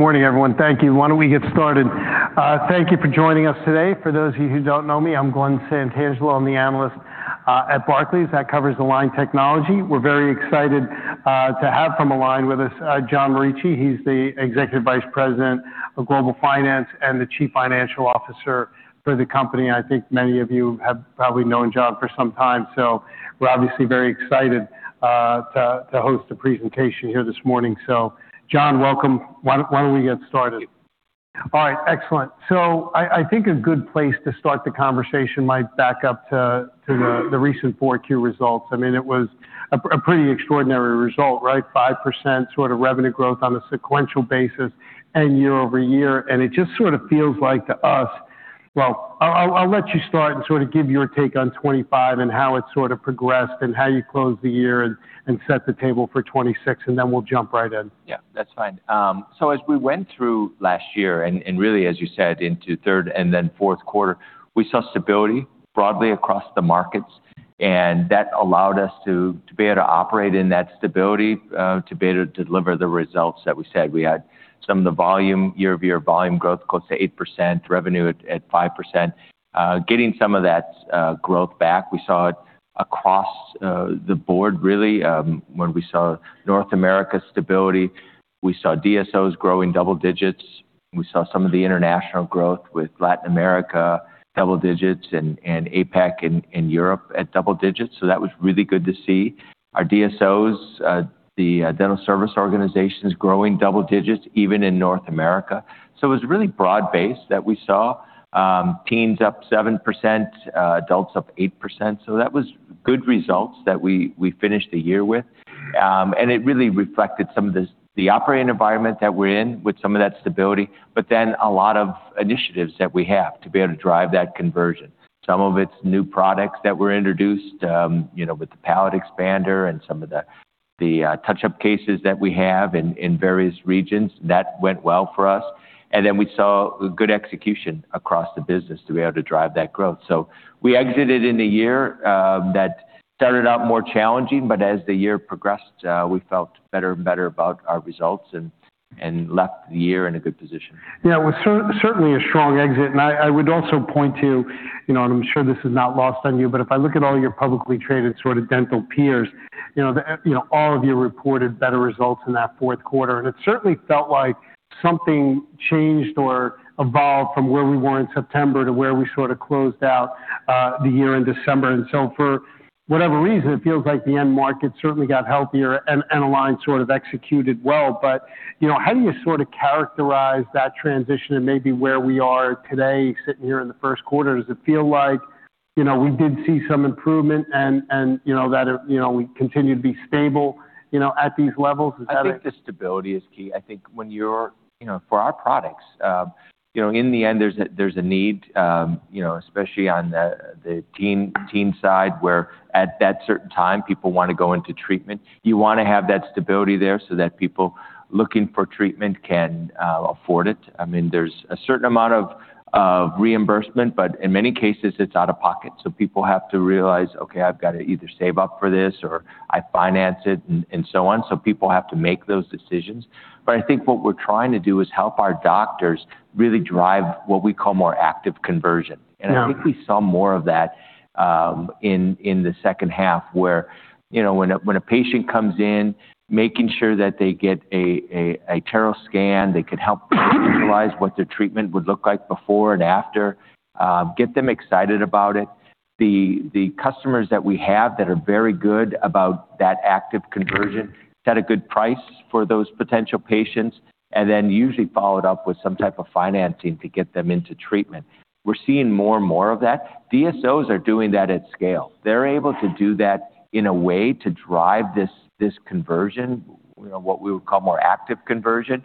Good morning, everyone. Thank you. Why don't we get started? Thank you for joining us today. For those of you who don't know me, I'm Glen Santangelo. I'm the analyst at Barclays that covers Align Technology. We're very excited to have from Align with us John Morici. He's the Executive Vice President of Global Finance and the Chief Financial Officer for the company. I think many of you have probably known John for some time, so we're obviously very excited to host a presentation here this morning. John, welcome. Why don't we get started? All right. Excellent. I think a good place to start the conversation might back up to the recent 4Q results. I mean, it was a pretty extraordinary result, right? 5% sort of revenue growth on a sequential basis and year over year. It just sort of feels like to us. Well, I'll let you start and sort of give your take on 2025 and how it sort of progressed and how you closed the year and set the table for 2026, and then we'll jump right in. Yeah, that's fine. So as we went through last year and really as you said into third and then fourth quarter, we saw stability broadly across the markets, and that allowed us to be able to operate in that stability to be able to deliver the results that we said. We had some of the volume year-over-year volume growth close to 8%, revenue at 5%. Getting some of that growth back, we saw it across the board really when we saw North America stability. We saw DSOs grow in double digits. We saw some of the international growth with Latin America double digits and APAC and Europe at double digits, that was really good to see. Our DSOs, the dental service organizations growing double digits even in North America. It was really broad-based that we saw, teens up 7%, adults up 8%, that was good results that we finished the year with. It really reflected some of this, the operating environment that we're in with some of that stability, but then a lot of initiatives that we have to be able to drive that conversion. Some of it's new products that were introduced, you know, with the palatal expander and some of the touch-up cases that we have in various regions. That went well for us. Then we saw good execution across the business to be able to drive that growth. We exited in a year that started out more challenging, but as the year progressed, we felt better and better about our results and left the year in a good position. Yeah. It was certainly a strong exit. I would also point to, you know, and I'm sure this is not lost on you, but if I look at all your publicly traded sort of dental peers, you know, all of you reported better results in that fourth quarter. It certainly felt like something changed or evolved from where we were in September to where we sort of closed out the year in December. For whatever reason, it feels like the end market certainly got healthier and Align sort of executed well. You know, how do you sort of characterize that transition and maybe where we are today sitting here in the first quarter? Does it feel like, you know, we did see some improvement and, you know, that it, you know, we continue to be stable, you know, at these levels? Is that a- I think the stability is key. I think you know, for our products, you know, in the end, there's a need, you know, especially on the teen side, where at that certain time people want to go into treatment. You wanna have that stability there so that people looking for treatment can afford it. I mean, there's a certain amount of reimbursement, but in many cases it's out of pocket, so people have to realize, "Okay, I've got to either save up for this or I finance it," and so on. People have to make those decisions. I think what we're trying to do is help our doctors really drive what we call more active conversion. Yeah. I think we saw more of that in the second half where, you know, when a patient comes in, making sure that they get a iTero scan, they can help visualize what their treatment would look like before and after, get them excited about it. The customers that we have that are very good about that active conversion set a good price for those potential patients and then usually follow it up with some type of financing to get them into treatment. We're seeing more and more of that. DSOs are doing that at scale. They're able to do that in a way to drive this conversion, you know, what we would call more active conversion,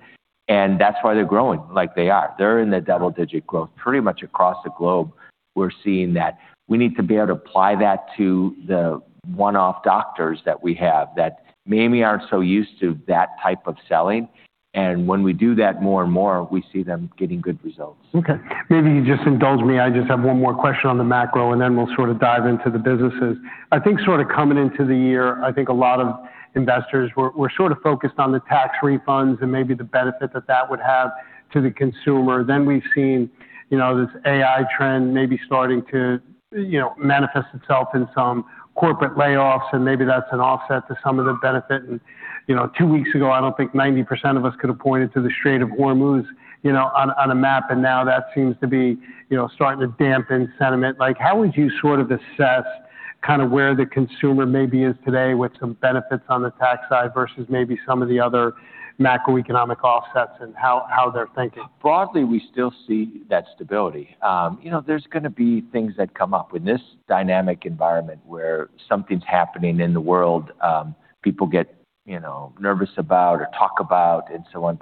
and that's why they're growing like they are. They're in the double-digit growth pretty much across the globe, we're seeing that. We need to be able to apply that to the one-off doctors that we have that maybe aren't so used to that type of selling. When we do that more and more, we see them getting good results. Okay. Maybe you just indulge me. I just have one more question on the macro, and then we'll sort of dive into the businesses. I think sort of coming into the year, I think a lot of investors were sort of focused on the tax refunds and maybe the benefit that that would have to the consumer. We've seen, you know, this AI trend maybe starting to, you know, manifest itself in some corporate layoffs and maybe that's an offset to some of the benefit. You know, two weeks ago, I don't think 90% of us could have pointed to the Strait of Hormuz, you know, on a map, and now that seems to be, you know, starting to dampen sentiment. Like, how would you sort of assess kind of where the consumer maybe is today with some benefits on the tax side versus maybe some of the other macroeconomic offsets and how they're thinking? Broadly, we still see that stability. You know, there's gonna be things that come up. In this dynamic environment where something's happening in the world, people get, you know, nervous about or talk about and so on.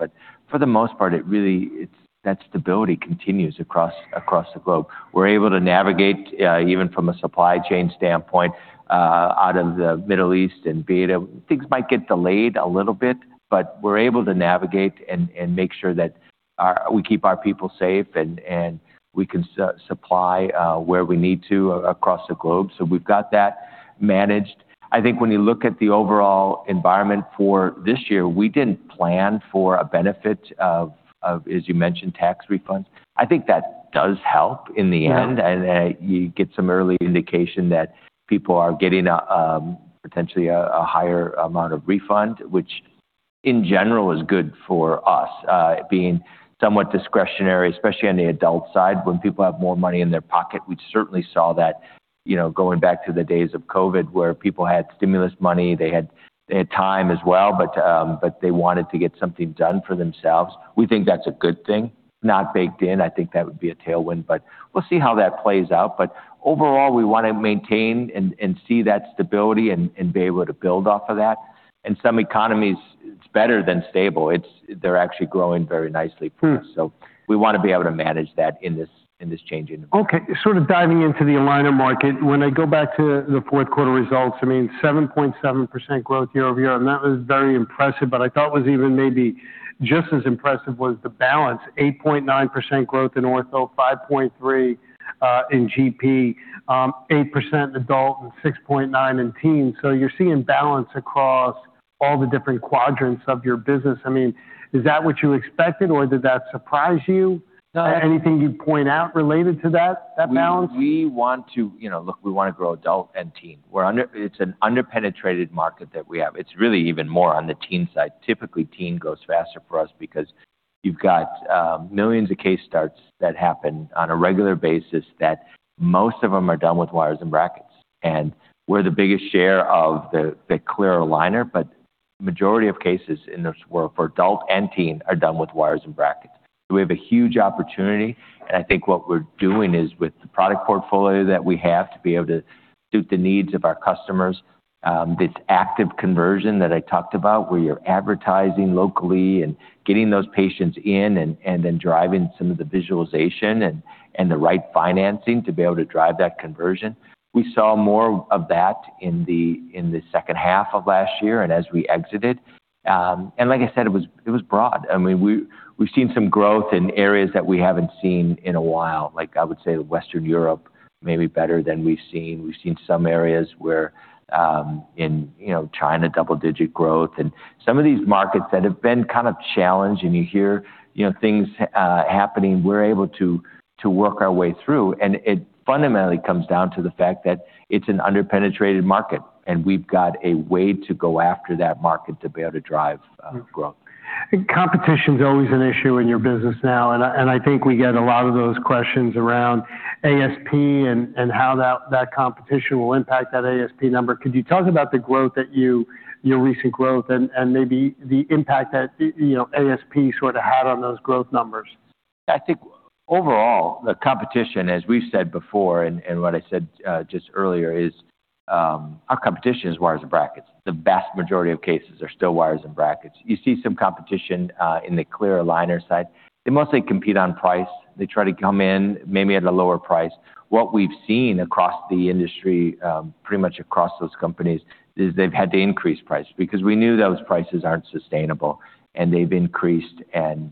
For the most part, it's that stability continues across the globe. We're able to navigate, even from a supply chain standpoint, out of the Middle East and be able to. Things might get delayed a little bit, but we're able to navigate and make sure that we keep our people safe, and we can supply, where we need to across the globe. We've got that managed. I think when you look at the overall environment for this year, we didn't plan for a benefit of, as you mentioned, tax refunds. I think that does help in the end. Yeah. You get some early indication that people are getting potentially a higher amount of refund, which in general is good for us, being somewhat discretionary, especially on the adult side, when people have more money in their pocket. We certainly saw that, you know, going back to the days of COVID, where people had stimulus money, they had time as well, but they wanted to get something done for themselves. We think that's a good thing, not baked in. I think that would be a tailwind. We'll see how that plays out. Overall, we want to maintain and see that stability and be able to build off of that. In some economies, it's better than stable. It's. They're actually growing very nicely for us. Hmm. We wanna be able to manage that in this changing environment. Okay. Sort of diving into the aligner market. When I go back to the fourth quarter results, I mean, 7.7% growth year-over-year, and that was very impressive, but I thought was even maybe just as impressive was the balance, 8.9% growth in ortho, 5.3% in GP, 8% adult, and 6.9% in teen. So you're seeing balance across all the different quadrants of your business. I mean, is that what you expected, or did that surprise you? No. Anything you'd point out related to that balance? We want to. You know, look, we wanna grow adult and teen. It's an under-penetrated market that we have. It's really even more on the teen side. Typically, teen grows faster for us because you've got millions of case starts that happen on a regular basis that most of them are done with wires and brackets. We're the biggest share of the clear aligner, but majority of cases in this were for adult and teen are done with wires and brackets. We have a huge opportunity, and I think what we're doing is, with the product portfolio that we have, to be able to suit the needs of our customers, this active conversion that I talked about, where you're advertising locally and getting those patients in and then driving some of the visualization and the right financing to be able to drive that conversion. We saw more of that in the second half of last year and as we exited. Like I said, it was broad. I mean, we've seen some growth in areas that we haven't seen in a while, like I would say Western Europe, maybe better than we've seen. We've seen some areas where, in, you know, China, double-digit growth. Some of these markets that have been kind of challenged and you hear, you know, things, happening, we're able to work our way through. It fundamentally comes down to the fact that it's an under-penetrated market, and we've got a way to go after that market to be able to drive growth. Competition's always an issue in your business now, and I think we get a lot of those questions around ASP and how that competition will impact that ASP number. Could you talk about your recent growth and maybe the impact that you know, ASP sort of had on those growth numbers? I think overall, the competition, as we've said before and what I said just earlier is, our competition is wires and brackets. The vast majority of cases are still wires and brackets. You see some competition in the clear aligner side. They mostly compete on price. They try to come in maybe at a lower price. What we've seen across the industry, pretty much across those companies is they've had to increase price because we knew those prices aren't sustainable, and they've increased and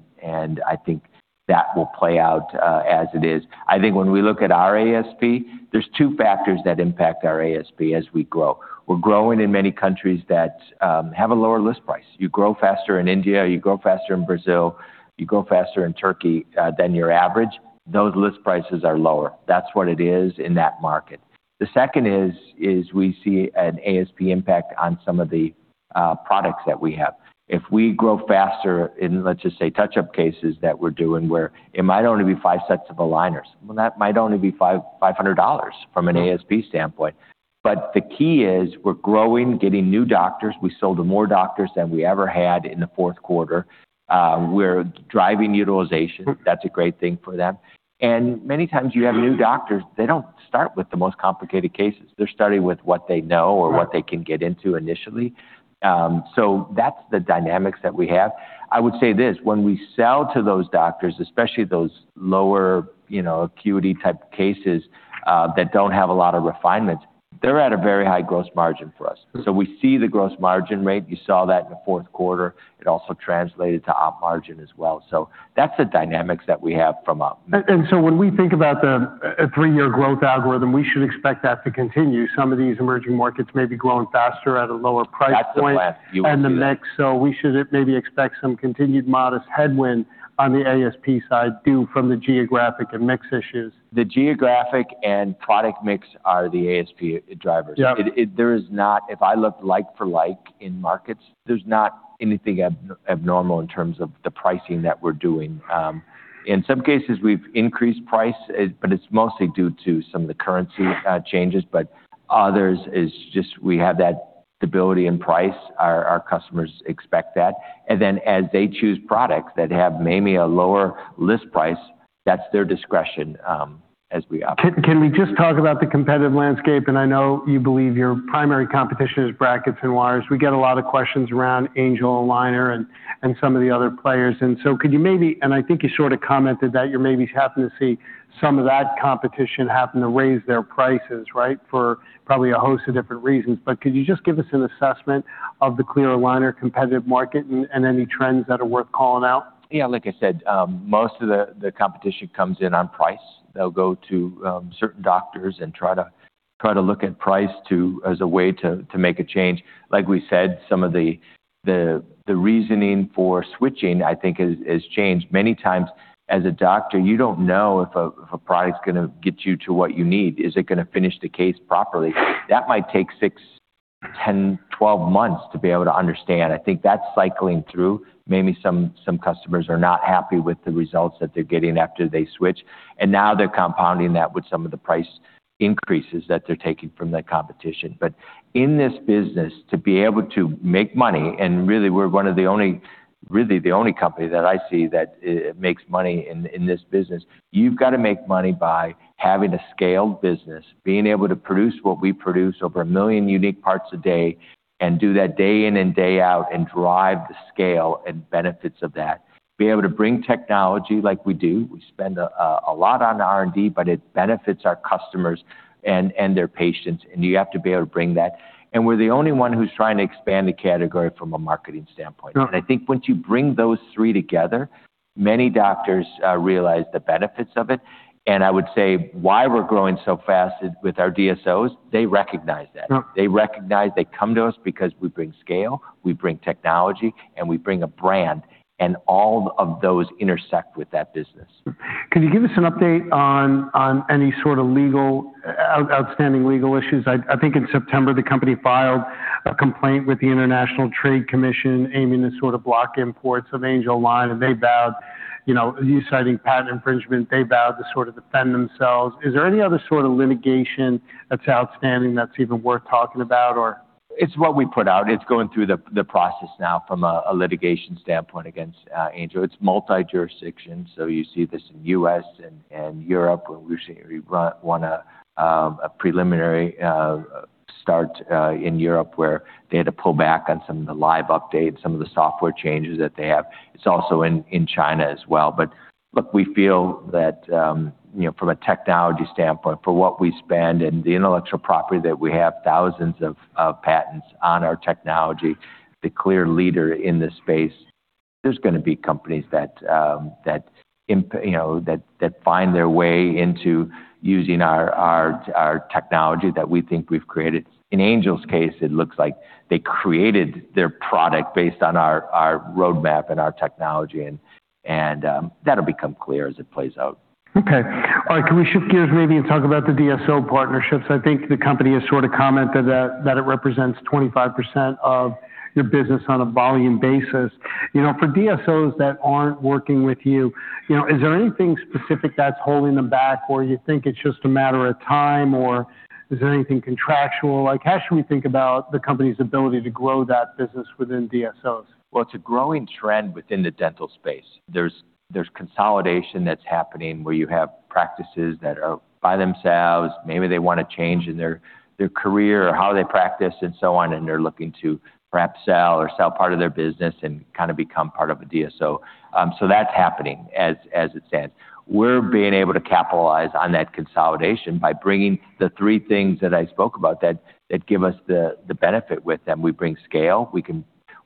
I think that will play out, as it is. I think when we look at our ASP, there's two factors that impact our ASP as we grow. We're growing in many countries that have a lower list price. You grow faster in India, you grow faster in Brazil, you grow faster in Turkey than your average. Those list prices are lower. That's what it is in that market. The second is we see an ASP impact on some of the products that we have. If we grow faster in, let's just say, touch-up cases that we're doing, where it might only be five sets of aligners, well, that might only be $500 from an ASP standpoint. But the key is we're growing, getting new doctors. We sold to more doctors than we ever had in the fourth quarter. We're driving utilization. Hmm. That's a great thing for them. Many times you have new doctors, they don't start with the most complicated cases. They're starting with what they know. Right. Or what they can get into initially. That's the dynamics that we have. I would say this, when we sell to those doctors, especially those lower, you know, acuity type cases, that don't have a lot of refinements, they're at a very high gross margin for us. Hmm. We see the gross margin rate. You saw that in the fourth quarter. It also translated to op margin as well. That's the dynamics that we have from op. When we think about the three-year growth algorithm, we should expect that to continue. Some of these emerging markets may be growing faster at a lower price point. That's the plan. You would see that. The mix. We should maybe expect some continued modest headwind on the ASP side due to the geographic and mix issues. The geographic and product mix are the ASP drivers. Yeah. If I looked like for like in markets, there's not anything abnormal in terms of the pricing that we're doing. In some cases, we've increased price, but it's mostly due to some of the currency changes. Others is just we have that stability in price. Our customers expect that. Then as they choose products that have maybe a lower list price, that's their discretion, as we operate. Can we just talk about the competitive landscape? I know you believe your primary competition is brackets and wires. We get a lot of questions around Angel Aligner and some of the other players. I think you sort of commented that you're maybe happy to see some of that competition happen to raise their prices, right? For probably a host of different reasons. Could you just give us an assessment of the clear aligner competitive market and any trends that are worth calling out? Yeah. Like I said, most of the competition comes in on price. They'll go to certain doctors and try to look at price as a way to make a change. Like we said, some of the reasoning for switching, I think is changed. Many times as a doctor, you don't know if a product's gonna get you to what you need. Is it gonna finish the case properly? That might take six, 10, 12 months to be able to understand. I think that's cycling through. Maybe some customers are not happy with the results that they're getting after they switch, and now they're compounding that with some of the price increases that they're taking from the competition. In this business, to be able to make money, and really we're the only company that I see that makes money in this business. You've got to make money by having a scaled business, being able to produce what we produce over 1 million unique parts a day and do that day in and day out, and drive the scale and benefits of that. Be able to bring technology like we do. We spend a lot on R&D, but it benefits our customers and their patients, and you have to be able to bring that. We're the only one who's trying to expand the category from a marketing standpoint. I think once you bring those three together, many doctors realize the benefits of it. I would say why we're growing so fast is with our DSOs, they recognize that. They recognize they come to us because we bring scale, we bring technology, and we bring a brand, and all of those intersect with that business. Can you give us an update on any sort of outstanding legal issues? I think in September, the company filed a complaint with the International Trade Commission aiming to sort of block imports of Angel Aligner, and they vowed. You know, citing patent infringement, they vowed to sort of defend themselves. Is there any other sort of litigation that's outstanding that's even worth talking about or? It's what we put out. It's going through the process now from a litigation standpoint against Angel Aligner. It's multi-jurisdiction, so you see this in U.S. and Europe, where we won a preliminary injunction in Europe where they had to pull back on some of the live updates, some of the software changes that they have. It's also in China as well. But look, we feel that from a technology standpoint, for what we spend and the intellectual property that we have, thousands of patents on our technology, the clear leader in this space. There's gonna be companies that find their way into using our technology that we think we've created. In Angel Aligner's case, it looks like they created their product based on our roadmap and our technology and that'll become clear as it plays out. Okay. All right. Can we shift gears maybe and talk about the DSO partnerships? I think the company has sort of commented that it represents 25% of your business on a volume basis. You know, for DSOs that aren't working with you know, is there anything specific that's holding them back, or you think it's just a matter of time, or is there anything contractual? Like, how should we think about the company's ability to grow that business within DSOs? Well, it's a growing trend within the dental space. There's consolidation that's happening where you have practices that are by themselves, maybe they want a change in their career or how they practice and so on, and they're looking to perhaps sell or sell part of their business and kind of become part of a DSO. That's happening as it stands. We're being able to capitalize on that consolidation by bringing the three things that I spoke about that give us the benefit with them. We bring scale.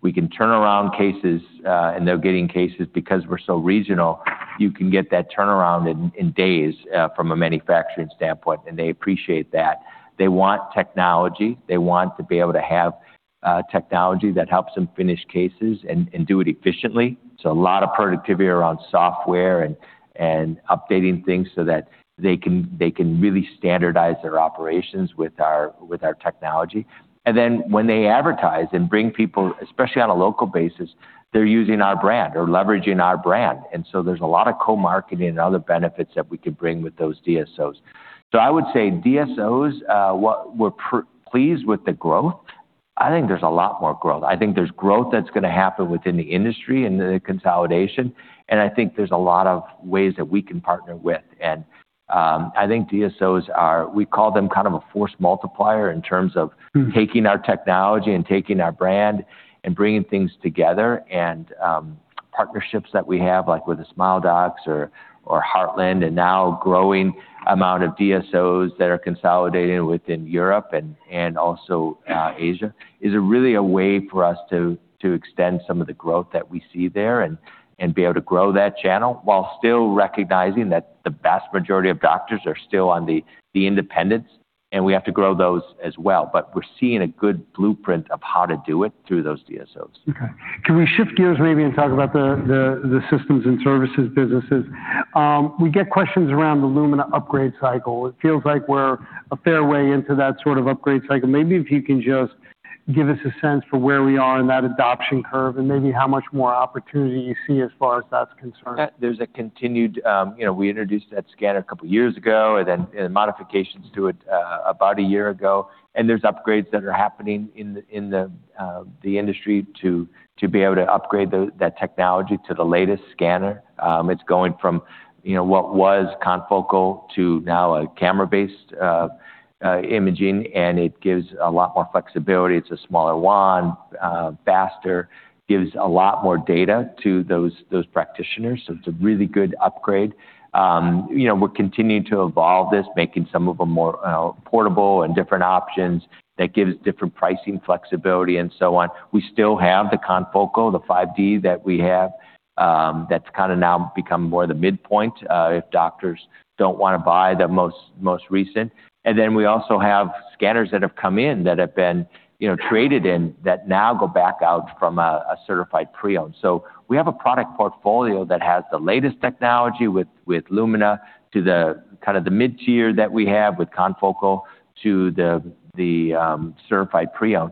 We can turn around cases, and they're getting cases because we're so regional, you can get that turnaround in days from a manufacturing standpoint, and they appreciate that. They want technology. They want to be able to have technology that helps them finish cases and do it efficiently. A lot of productivity around software and updating things so that they can really standardize their operations with our technology. When they advertise and bring people, especially on a local basis, they're using our brand or leveraging our brand. There's a lot of co-marketing and other benefits that we can bring with those DSOs. I would say DSOs, what we're pleased with the growth. I think there's a lot more growth. I think there's growth that's gonna happen within the industry and the consolidation, and I think there's a lot of ways that we can partner with. I think DSOs are. We call them kind of a force multiplier in terms of- Taking our technology and taking our brand and bringing things together and partnerships that we have, like with the Smile Doctors or Heartland Dental, and now growing amount of DSOs that are consolidating within Europe and also Asia, is really a way for us to extend some of the growth that we see there and be able to grow that channel while still recognizing that the vast majority of doctors are still independent, and we have to grow those as well. We're seeing a good blueprint of how to do it through those DSOs. Okay. Can we shift gears maybe and talk about the systems and services businesses? We get questions around the Lumina upgrade cycle. It feels like we're a fair way into that sort of upgrade cycle. Maybe if you can just give us a sense for where we are in that adoption curve and maybe how much more opportunity you see as far as that's concerned? There's a continued, you know, we introduced that scanner a couple of years ago and then modifications to it, about a year ago. There's upgrades that are happening in the industry to be able to upgrade that technology to the latest scanner. It's going from, you know, what was Confocal to now a camera-based imaging, and it gives a lot more flexibility. It's a smaller wand, faster. Gives a lot more data to those practitioners, so it's a really good upgrade. You know, we're continuing to evolve this, making some of them more portable and different options that gives different pricing flexibility and so on. We still have the Confocal, the 5D that we have, that's kinda now become more the midpoint, if doctors don't wanna buy the most recent. We also have scanners that have come in that have been, you know, traded in that now go back out from a certified pre-owned. We have a product portfolio that has the latest technology with Lumina to the kind of the mid-tier that we have with Confocal to the certified pre-owned.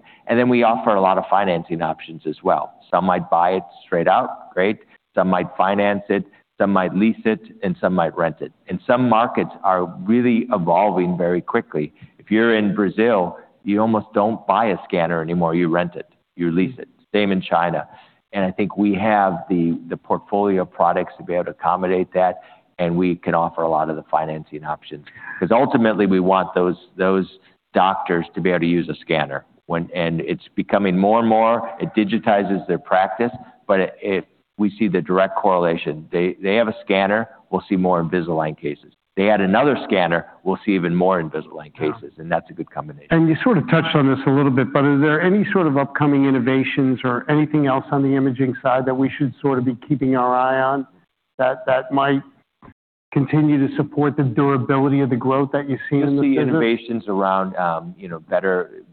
We offer a lot of financing options as well. Some might buy it straight out, great. Some might finance it, some might lease it, and some might rent it. Some markets are really evolving very quickly. If you're in Brazil, you almost don't buy a scanner anymore. You rent it. You lease it. Same in China. I think we have the portfolio of products to be able to accommodate that, and we can offer a lot of the financing options. 'Cause ultimately we want those doctors to be able to use a scanner. It's becoming more and more, it digitizes their practice, but if we see the direct correlation, they have a scanner, we'll see more Invisalign cases. They add another scanner, we'll see even more Invisalign cases, and that's a good combination. You sort of touched on this a little bit, but is there any sort of upcoming innovations or anything else on the imaging side that we should sort of be keeping an eye on that might continue to support the durability of the growth that you see in the business? You'll see innovations around, you know, better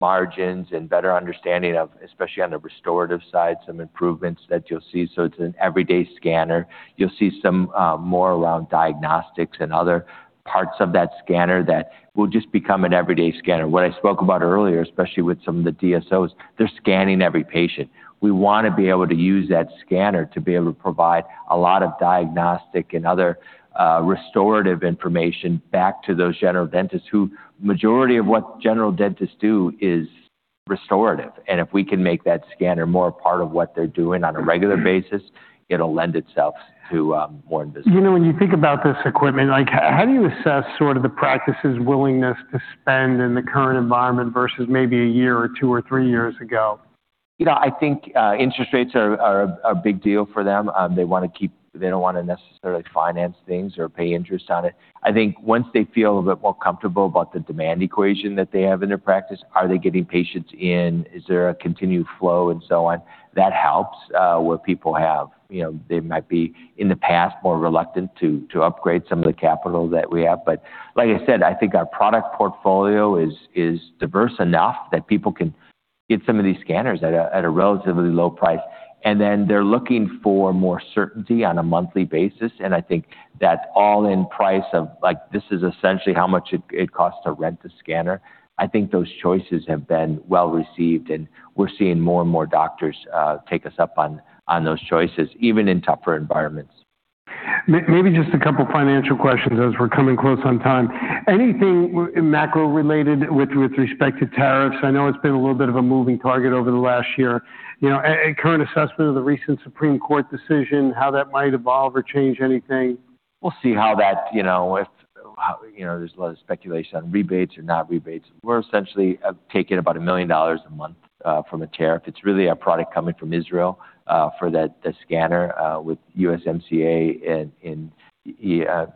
margins and better understanding of, especially on the restorative side, some improvements that you'll see. It's an everyday scanner. You'll see some more around diagnostics and other parts of that scanner that will just become an everyday scanner. What I spoke about earlier, especially with some of the DSOs, they're scanning every patient. We wanna be able to use that scanner to be able to provide a lot of diagnostic and other restorative information back to those general dentists who majority of what general dentists do is restorative. If we can make that scanner more a part of what they're doing on a regular basis, it'll lend itself to more Invisalign. You know, when you think about this equipment, like how do you assess sort of the practice's willingness to spend in the current environment versus maybe a year or two or three years ago? You know, I think, interest rates are a big deal for them. They wanna keep. They don't wanna necessarily finance things or pay interest on it. I think once they feel a bit more comfortable about the demand equation that they have in their practice, are they getting patients in, is there a continued flow and so on, that helps, where people have, you know, they might be in the past more reluctant to upgrade some of the capital that we have. Like I said, I think our product portfolio is diverse enough that people can get some of these scanners at a relatively low price. They're looking for more certainty on a monthly basis, and I think that all-in price of like, this is essentially how much it costs to rent a scanner. I think those choices have been well-received, and we're seeing more and more doctors take us up on those choices, even in tougher environments. Maybe just a couple financial questions as we're coming close on time. Anything macro-related with respect to tariffs? I know it's been a little bit of a moving target over the last year. You know, a current assessment of the recent Supreme Court decision, how that might evolve or change anything? We'll see how there's a lot of speculation on rebates or not rebates. We're essentially taking about $1 million a month from a tariff. It's really a product coming from Israel for that, the scanner, with USMCA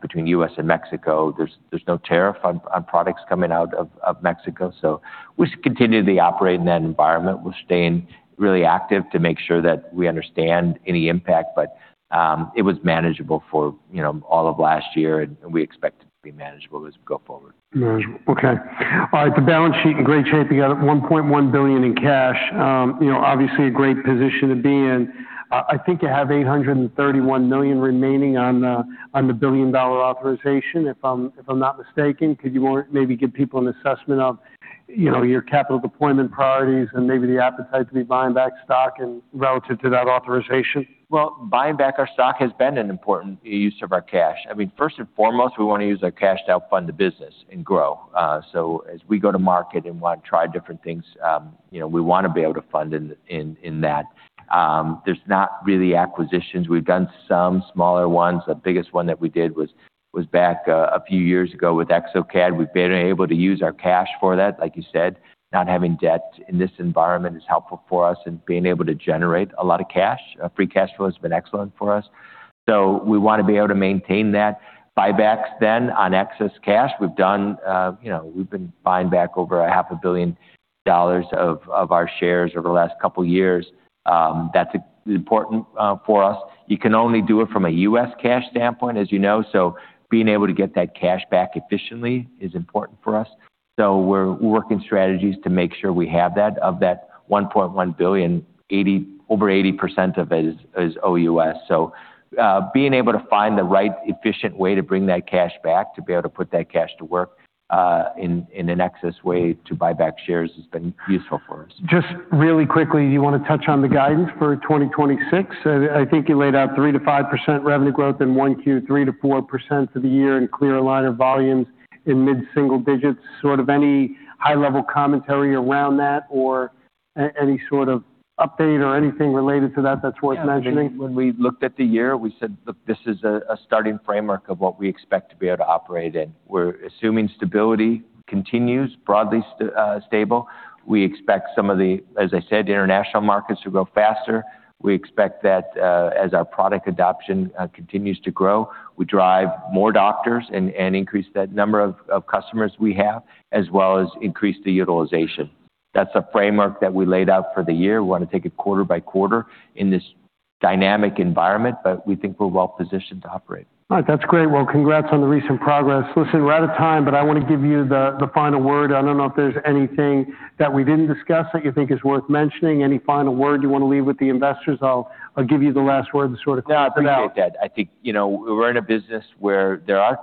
between U.S. and Mexico. There's no tariff on products coming out of Mexico. We continue to operate in that environment. We're staying really active to make sure that we understand any impact, but it was manageable for, you know, all of last year, and we expect it to be manageable as we go forward. Manageable. Okay. All right, the balance sheet in great shape. You got $1.1 billion in cash. You know, obviously a great position to be in. I think you have $831 million remaining on the billion-dollar authorization, if I'm not mistaken. Could you maybe give people an assessment of, you know, your capital deployment priorities and maybe the appetite to be buying back stock and relative to that authorization? Well, buying back our stock has been an important use of our cash. I mean, first and foremost, we wanna use our cash to help fund the business and grow. So as we go to market and wanna try different things, you know, we wanna be able to fund in that. There's not really acquisitions. We've done some smaller ones. The biggest one that we did was back a few years ago with exocad. We've been able to use our cash for that, like you said. Not having debt in this environment is helpful for us and being able to generate a lot of cash. Free cash flow has been excellent for us. We wanna be able to maintain that. Buybacks on excess cash, we've done, you know, we've been buying back over half a billion dollars of our shares over the last couple years. That's important for us. You can only do it from a U.S. cash standpoint, as you know, so being able to get that cash back efficiently is important for us. We're working strategies to make sure we have that. Of that $1.1 billion, over 80% of it is OUS. Being able to find the right efficient way to bring that cash back, to be able to put that cash to work, in an excess way to buy back shares has been useful for us. Just really quickly, do you wanna touch on the guidance for 2026? I think you laid out 3%-5% revenue growth in 1Q, 3%-4% for the year in clear aligner volumes in mid-single digits. Sort of any high-level commentary around that or any sort of update or anything related to that that's worth mentioning? Yeah, I mean, when we looked at the year, we said, "Look, this is a starting framework of what we expect to be able to operate in." We're assuming stability continues, broadly stable. We expect some of the, as I said, international markets to grow faster. We expect that, as our product adoption continues to grow, we drive more doctors and increase the number of customers we have, as well as increase the utilization. That's a framework that we laid out for the year. We wanna take it quarter by quarter in this dynamic environment, but we think we're well-positioned to operate. All right. That's great. Well, congrats on the recent progress. Listen, we're out of time, but I wanna give you the final word. I don't know if there's anything that we didn't discuss that you think is worth mentioning. Any final word you wanna leave with the investors? I'll give you the last word to sort of close it out. No, I appreciate that. I think, you know, we're in a business where there are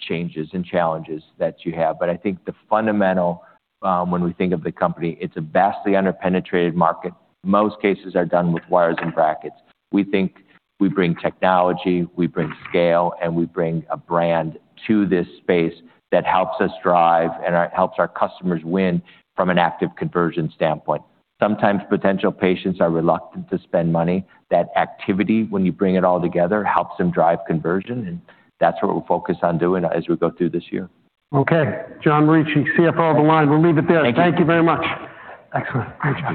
changes and challenges that you have, but I think the fundamental, when we think of the company, it's a vastly under-penetrated market. Most cases are done with wires and brackets. We think we bring technology, we bring scale, and we bring a brand to this space that helps our customers win from an active conversion standpoint. Sometimes potential patients are reluctant to spend money. That activity, when you bring it all together, helps them drive conversion, and that's what we'll focus on doing as we go through this year. Okay. John Morici, CFO of Align. We'll leave it there. Thank you. Thank you very much. Excellent. Great job.